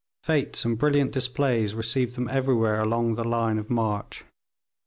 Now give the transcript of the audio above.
Fetes and brilliant displays received them everywhere along the line of march.